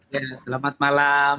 ya selamat malam